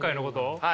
はい。